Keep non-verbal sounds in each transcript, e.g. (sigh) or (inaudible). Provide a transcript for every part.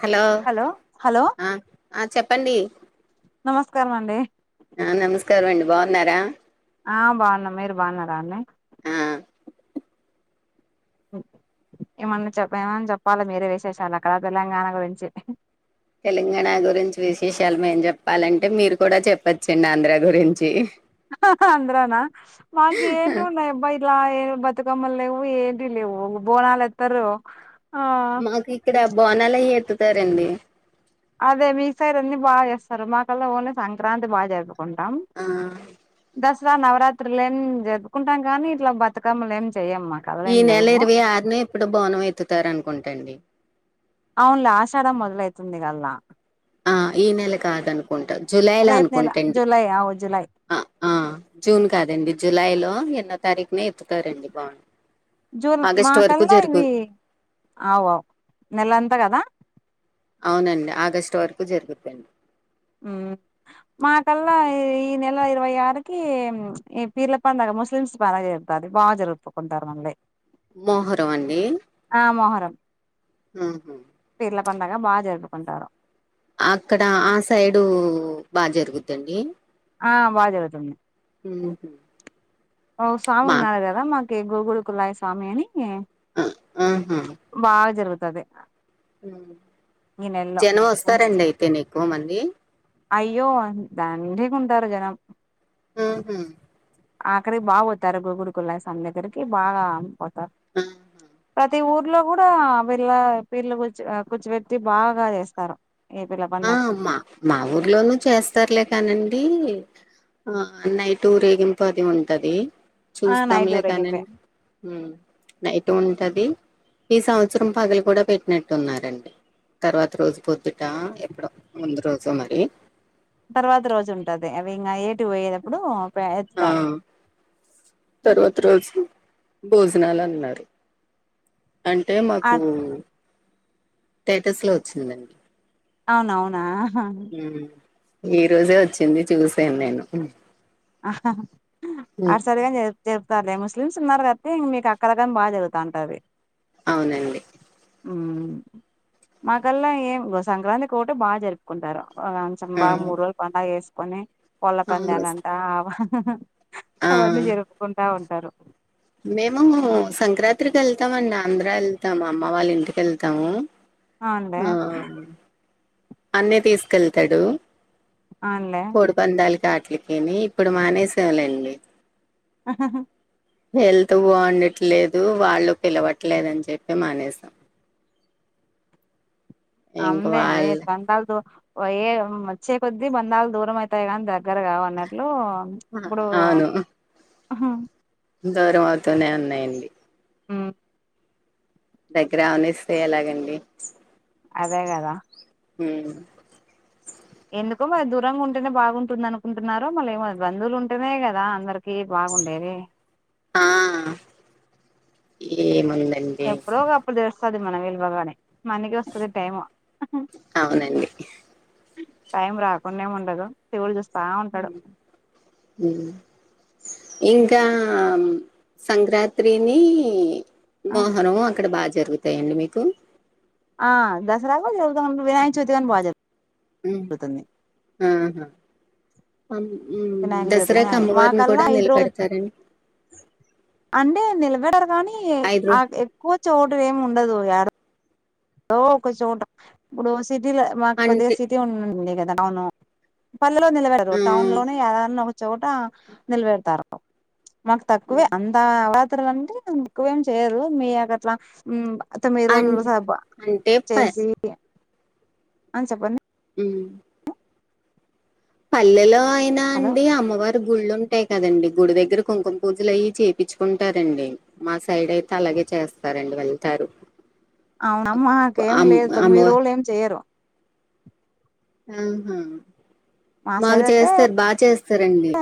Hello ఆ ఆ చెప్పండి నమస్కారం అండి ఆ నమస్కారం అండి బావున్నారా ఆ బావునం మీరు బావున్నరా అండి ఆ ఏమన్నా చెప్ప ఏమన్నా చెప్పాలి మీరే విశేషాలు అక్కడ తెలంగాణ గురించి తెలంగాణ గురించి విశేషాలు మేం చెప్పాలంటే మీరు కూడా చెప్పచ్చండి ఆంధ్ర గురించి ఆహ హ ఆంధ్ర నా మకు ఏంటివి ఉన్నాయి అబ ఇ ఇలా ఏ బతుకమ్మల్ లేవు ఏంటి లెవ్వు బోనాలత్తరు ఆ మాకు ఇక్కడ బోనాలయే ఎత్తుతారండి అదే మిగతాయి అన్ని బాగా చేస్తారు మాకల్లా ఓన్లీ సంక్రాంతి బాగా జరుపుకుంటాం ఆ దసరా నవరాత్రులు ఏం జరుపుకుంటాం కానీ ఇట్లా బతుకమ్మలు ఏమి చెయ్యమ్మా ఈ నెల ఇరవై ఆరునే ఎప్పుడు బోనం ఎత్తుతారు అనుకుంటండి అవునులే ఆషడ మొదలైతుంది కల్లా ఆ ఈ నెల కాదు అనుకుంట జూలైలో రేపు నెల అనుకుంటాండి జూలై అవు జూలై ఆ జూన్ కాదండి జులై లో ఎన్నో తారీఖనే ఎత్తుతారండి బాన జూన్ మాకల్లా ఇవి అవువు నెలంతా కదా అవునండి ఆగస్టు వరకు జరుగుదండి ఉమ్ మాకల్లా ఈ నెల ఇరవై ఆరుకి ఈ పీర్ల పండగ ముస్లిమ్స్ బాగా జరప్ ఉంటది బా జరుపుకుంటారు మళ్ళీ మొహరం అండి ఆ మొహరం ఉహు పీర్ల పండగ బా జరుపుకుంటారు అక్కడ ఆ సైడూ బా జరుగుద్దండి ఆ బా జరుగుతుంది ఊహు ఓ స్వామి ఉన్నారు గదా మాకి గోగుడుకులాయి స్వామి అనీ అ ఆహా బాగా జరుగుతది మ్ ఈ నెలలో జనం వస్తారండి అయితెనే ఎక్కువ మంది అయ్యో దండీ గుంటారు జనం ఊహు ఆక్కడికి బాగా పోతారు గోగుడికుల స్వామి దగ్గరికి బాగా పొ తాగ్ ప్రతి ఊర్లో గూడా వీళ్ళ వీళ్ళ గురించే ఆ కూర్చబెట్ ట్టి బాగా జేస్తారు ఈ పిల్ల ఆ పండక్కి మా మా ఊర్లోనూ చేస్తారులే కానండీ ఆ నైట్ ఊరేగింపు అది ఉంటది ఆ నైట్ చూస్తాంలే ఊరేగింపే కనండి నైట్ ఉంటది ఈ సంవత్సరం పగలు కూడా పెట్టినట్టు ఉన్నారండి తర్వాత రోజు పొద్దుటా ఎప్పుడో ముందు రోజో మరి తర్వాత రోజు ఉంటాది అవి ఇంగ య్యేటు పోయేటప్పుడు ఆ ఎత్తుతారు తర్వాత రోజు భోజనాలు అన్నారు అంటే ఆ మాకూ టేటస్ లో వచ్చిందండి అవునవునా ఉమ్ ఈ రోజే వచ్చింది చూసాను నేను ఆహా ఆ ఉమ్. సరే గానీ చే చెబుతారులే ముస్లిమ్స్ మరి అదే మీకు అక్కడ కారకమం బాగ జరుగుతాంటది అవునండి ఉమ్ మాకల్లా ఏం ఓ సంక్రాంతి కొకటి బాగ జరుపుకుంటారు కొంచెం ఆ బాగా మూడు రోజులు పండగ చేసుకొని కోళ్ల అవును పందాలంట ఆబా ఆ అవన్నీ జరుపుకుంటా ఉంటారు మేము సంక్రాంత్రికి యెళ్తామన్నా ఆంధ్ర యెళ్తాము అమ్మ వాళ్ళ ఇంటికి యెళ్తాము అవునులే ఆ అన్నయ్య తీసుకెళ్తాడూ ఆ అన్నయ్య కోడి పందాల కాట్లకినీ ఇప్పుడు మానేసాం లేండి హ హ హ హెల్త్ బాగుండట్లేదు వాళ్ళు పిలవట్లేదని చెప్పి మానేసాం ఇంక అవున్ దేంది వాళ్ళ బంధాలు దూ వొయే వచ్చే కొద్దీ బంధాలు దూరం అయితాయి గాని దగ్గరగావ్ అన్నట్లు ఆ! ఇప్పుడూ అవును హుహూ దూరం అవుతూనే ఉండన్నీయండి ఉమ్ దగ్గరా ఆనేస్తే ఎలాగండి అదే గదా ఉమ్ ఎందుకో మరి దూరంగ ఉంటేనే బాగుంటుంది అనుకుంటున్నారో మళ్ళ ఏమో బంధులుంటేనే గదా అందరు కీ బాగుండేది ఆ ఏముందండి ఎప్పుడో ఒక అప్పుడు దెలుస్తది మన విలువ గానీ మనకి వస్తది టైము అవునండి టైం రాకుండేం ఉండదు దేవుడు చూస్తా ఉంటడు ఉమ్ ఇంకా సంక్రాత్రినీ ఆ మోహరము అక్కడ బాగ జరుగుతాయండి మీకు అ దసరా గూడా జరుపుతా ఉంది వినాయకచవితి గాని బాగ హ్మ్. జరుగుతుంది ఆహా ఉమ్ వినాయక చవితి దసరాకి గాని మా అమ్మవారిని కూడా కల్లా ఐదు రోజు నిలబెడతారు అండి అంటే నిలబెడరు గానీ ఐదు రో ఆ ఎక్కువ చూడము ఎం ఉండదు యాడ డో ఒక చోట ఇప్పుడు సిటీలో మా కొద్దిగా అంటే సిటీ ఉండండి గదా అవును పల్లెలో నిలబెడరు ఆ టౌన్ లోనే ఏడానో ఒకచోట నిలబెడతారు మాకు తక్కువే అంత అవతలు అంటే ఎక్కువేం చేయరు మీ అ అట్లా ఉమ్ అత్త మీ అన్ రోజులు సబ అంటే ప ఏపియ్యాల్ అ చెప్పండి ఉమ్ పల్లెలో అయినా హలో అండి అమ్మవారు అంటే గుళ్ళుంటాయి కదండి గుడి దగ్గర కుంకుమ పూజలు అయి చేపిచ్కుంటారండి మా సైడ్ అయితే అలాగే చేస్తారండి వెళ్తారు అవున మాక్ ఏం అమ్ లేదు తొమ్మిది అమ్మవ రోజులు ఏం చెయ్యరు ఆహా మా మాకు సైడ్ అయితే చేస్తారు బా చేస్తారండి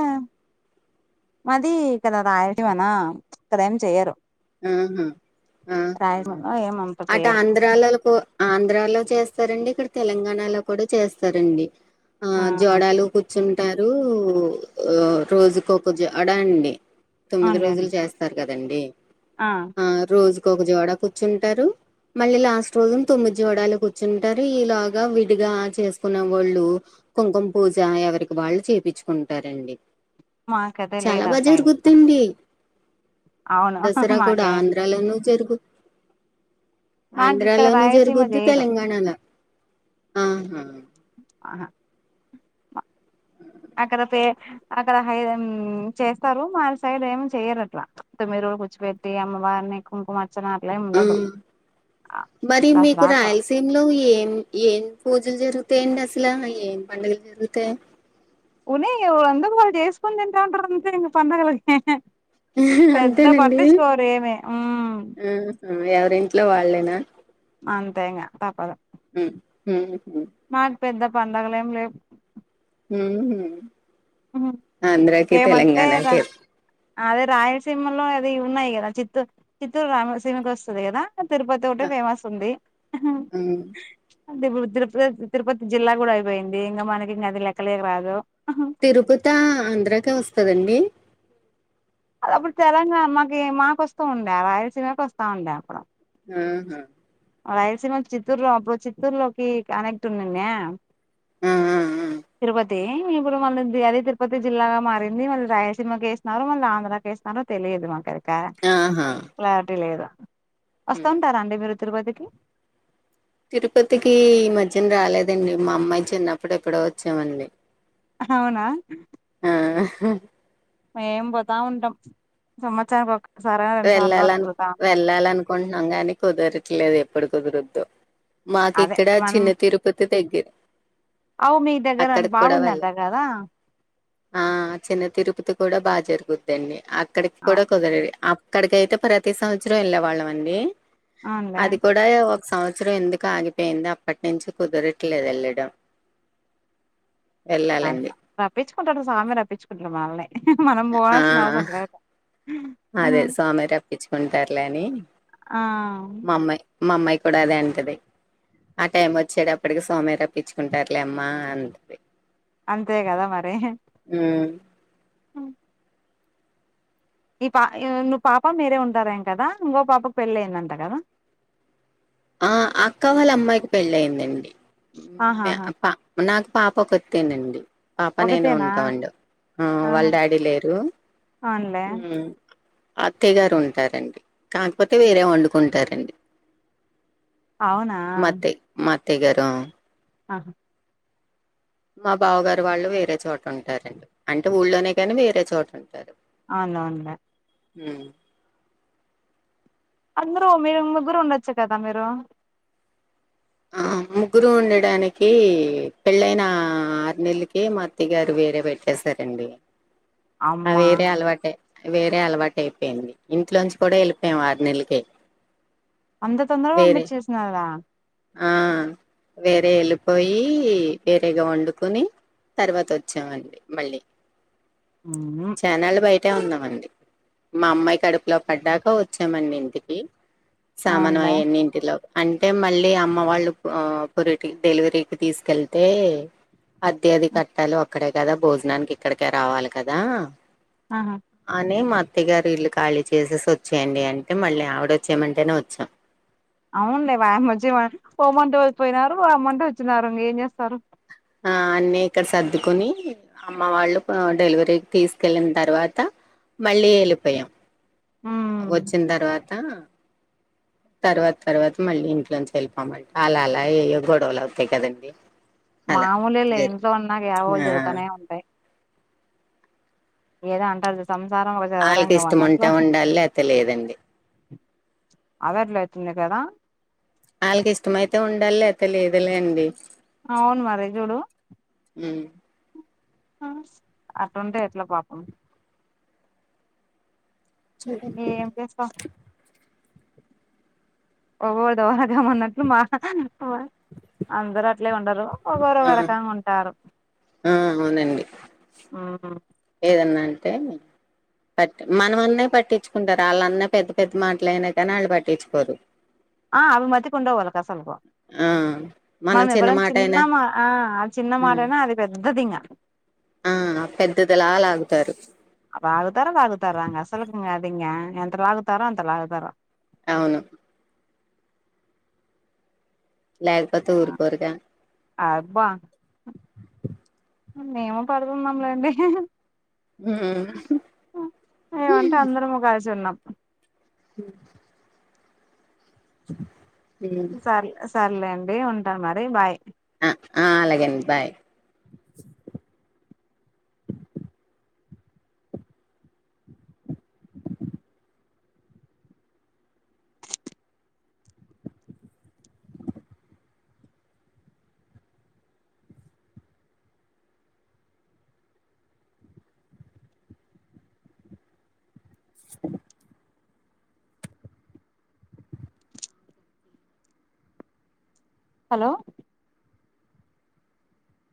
మాది ఇక్కడ రాయలసిమన ఇక్కడ ఏం చెయరు అహా అహా ఏం అంత అటు చెయ్యరు ఆంధ్రాలలకు ఆంధ్రాలో చేస్తారండి ఇక్కడ తెలంగాణలో కూడా చేస్తారండి ఆ జోడలు కు కూచ్చుంటారు అ రోజుకోక జోడా అండి తొమ్మిది రోజులు చేస్ తర్ గదండి అ ఆ రోజుకోక జోడ కూచ్చుంటారు మళ్ళీ లాస్ట్ రోజు తొమ్మిద్ జోడాలు కూచ్చుంటారు ఇలో గా విడిగా చేసుకున్న వాళ్ళు కుంకుమ పూజ ఎవరికి వాళ్ళు చేపిచ్కుంటారండి మాకైతే చాలా లేదు బా అటు సైడ్ ఇట్లా జరుగుద్దండి అవును దసరా కూడా మాకే ఆంధ్రలో ను జరుగు మాకు ఇక్కడ ఆంధ్రాలోనూ రాయలసీమ జరుగుద్ది చేయదు తెలంగాణలో ఆహ అహ ఉమ్ అక్కడ పే అక్కడ హై ఉమ్ చేస్తారు మా సైడ్ ఏమ్ చెయరట్లా అంటే మీరు కుచ్చ పెట్టి అమ్మవారని కుంకుమ అర్చన అట్లేం ఆ ఉండదు అ దసరాకు దింలో ఏం ఏం పూజలు జరుగుతాయండి అసల ఏం పండగల్ జరుగుతాయి ఉనే ఎవరంతుకు వాళ్ చేసుకుని తింటారంటారుగ అంతే ఇంక పండగలి పెద్ద అంతేనండి పట్టించుకోరు ఏమీ ఉమ్ ఉమ్ ఎవరింట్లో వాళ్లేేనా అంతే ఇంగా తప్పదు ఉ ఉహు మాక్ పెద్ద పండగల్ ఏం లేవ్ ఉహు ఉహు. ఆంధ్రకి ఏమంటే రా తెలంగాణకే అదే రాయలసీమలో అది ఉన్నాయి గదా చిత్తూ చిత్తూరు రాయలసీమ కస్తది గదా తిరుపతి ఒకటే ఆ ఫేమస్ ఉంది అంటే ఇప్పుడు తిరుపతి తిరుపతి జిల్లా గూడా అయిపోయింది ఇంగ మనకి ఇంగ అది లెక్కలకీ రాదు తిరుపతా ఆంధ్రకే వస్తదండి అద అప్పుడు తెలంగాణ మాకీ మాకస్తుండే రాయలసీమ కస్తాండా అప్పుడు ఆ హ రాయలసీమ కి చిత్తూరు లో అప్పుడు చిత్తూరులోకి కనెక్ట్ ఉండుండే ఆ ఆ ఆ తిరుపత్ తీ ఇప్పుడు మళ్ళిద్ది అది తిరుపతి జిల్లాగా మారింది మళ్ళ్ రాయలసీమకేస్త్నారు మళ్ళాంధ్ర్ రాకేేస్త్నారో తెలియదు మాకైతే ఆహా ప్లాటే లేదు. ఉమ్ ఒస్తాంటారా అండి మీరు తిరుపతికి? తిరుపతికీ ఈ మధ్యన్రాలేదండి మా అమ్మాయి చిన్నప్పుడేప్పుడో వచ్చావండి. హవునా ‍? ఆ అహ్ అ మేం బొతాఉంటం సంవత్సరంకొక్సారా రెండుసార్లా అట్తిరుగుతా ఉంటం కొంట్నాం గాని కుదరట్లేదు ఎప్పుడు కుదురుద్దొ అదే మాకిక్కడ చిన్న తిరుప్ పతి దగ్గెర ఔ మీ దగ్గర అది బాగుందంట వెళ్ళ గదా! ఆ చిన్న తిరుపతి కూడ బాాజరుగుద్దండి అక్కడికి కూడా కుదరది అ క్కడికైతే ప్రతి సంవత్సరం ఎళ్ళేవాళ్ళం అండీ అవునులే అది కూడ్ ద ఏ ఒక సంవత్సరం ఎందుకొ ఆగిపోయింది అప్పట్నుంచి కుదరట్లేదు ఎళ్లడం. ఆత్మ రప్పించుకుంటడు స్వామి రప్పించుకుంటడు వాళ్ళని మనం ఆ! బోవాల్సిన అవసరం లేదు అదే స్వామే రప్పించుకుంటారులే అని ఆ మా అమ్మాయి మామ్మాయి కూడా అదే అంటది ఆ టైం వచ్చేతప్పటికి స్వామే రప్పించుకుంటార్లే అమ్మా అంటది అంతే గదా మరి ఊ ఉ ఈ పా యూం ను పాప మీరే ఉంటారేం కదా ఇంగో పాపకు పెళ్ళైందట కదా! ఆ అక్క వాళ్ళ అమ్మాయికి పెళ్ళైందండి ఆహాహా అ ప నాకు పాపొకత్తేనండి పాప నేను ఒకతేనా ఉంటావండి ఊ వాళ్ళ ఆహా డాడీ లేరు అవునులే ఉ అత్తయ్య గారుంటారండి కాకపోతే వేరే వండుకుంటారండి. అవునా? మత్తె మా అత్తెగారూ ఆహ మా బావగారు వాళ్ళు వేరే చోటుంటారండి అంటే ఊళ్లోనే కానీ వేరే చోటుంటారు అవ్నవున్లే ఉ అందరూ మీరు ముగ్గురు ఉండొచ్చు కదా మీరూ ముగ్గురూ ఉండడానికీ పెళ్ళైనా ఆరు నెల్లకే మా అత్తెగారు వేరే పెట్టేసారండి. ఆ అమ్మా వేరే అలవాటే వేరే అలవాటైపోయింది. ఇంట్లోంచి కూడా ఎళ్ళిపోయాం ఆరు నెల్లకే అంత తొందర పంపిచ్చేసినారా? ఆ వేరే ఎళ్ళిపోయి వేరేగా వండుకొని తర్వాతొచ్చావండి మళ్ళీ ఊహూ చానాల్లు బయటే ఉన్నావండి మా అమ్మాయి కడుపులో పడ్డాక వొచ్చామండింటికి సామాను అవునులే అయన్నింటిలో అంటే మళ్ళ్ అమ్మ వాళ్ళు పొరిటి డెల్వరీకి తీస్కెళ్తే అద్దె అది కట్టాలీ ఒక్కడే కదా భోజ్నానికి ఇక్కడికే రావాలి కదా ఆహా అని మా అత్త్యగారు ఇల్లు ఖాళీ చేసేసి వచ్చాయండి అంటే మళ్ళీ ఆవిడ ఓచ్చామంటేనే వచ్చాం అవున్లే వా నుంచి పోమ్మంటే పోయినారు ఓ రమ్మంటే వచ్చినారు మీరేం చేస్తారు ఆహ్ అన్నీ ఇక్కడ సర్దుకొని అమ్మ వాళ్ళు ఆ డెలివరీకి తీస్కెళ్ళిన తర్వాత మళ్ళీ వెళ్ళిపోయాం ఉమ్ వచ్చిన్ దర్వతా తర్వాత తర్వాత మళ్ళీ ఇంట్లో నుంచి వెళ్ళిపోమంట అల అలా ఎయ్యో గోడవలు అవుతాయ్ కదండీ మామూలోలె ఇంట్లో ఉన్నాగా ఏవో ఆ జరుగుతానే ఉంటాయి ఏదో అంటారు గా సంసారం ఆల్కి చదరంగం ఇష్టం ఉంటే ఉండాలి లేతే లేదండి అదట్ల ఐతుంది కదా వాళ్కి ఇష్టమయితే ఉండాలి లేతే లేదులే అండి ఔను మరి చూడు ఉమ్ ఆటుంటే ఎట్లా పాపం (inaudible) వ ఓవర్డు ఒకరకం ఉన్నట్లు మా అందరు అట్లే ఉండరు ఆ ఒకరోరకంగా ఉంటారు ఆ అవునండి ఉమ్. ఏదన్నాంటే పట్ మనమన్నవి పట్టించుకుంటారు అల్లాన్నావ్ పెద్ద పెద్ద మాటలైనా కానీ వాళ్ళు పట్టించుకోరు ఆ అవి మతి కి ఉండవు వాళ్లకు ఆ మనం ఎవరం చిన్న మా ఆహ్ చిన్న మాటైనా అలి పెద్దదింగ ఆహ్ పెద్దదిలా లాగుతారు లాగుతారో వాగుతారో ఇంగ అసల్ ఇంగ అదీ ఇంగ ఎంత లాగుతరో అంత లాగుతరు ఔను లేక్పోతే ఊరుకోరుగా అబ్బా మేము పడుతున్నాం లెండి ఉమ్ ఏమంటే అందరం గలిసున్నాం హు్ ఉమ్. సర్ సర్లే అండి ఉంటా మరి బాయ్ ఆ అలాగేండి బాయ్ హలో